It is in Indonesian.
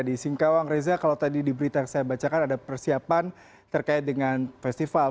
di singkawang reza kalau tadi di berita yang saya bacakan ada persiapan terkait dengan festival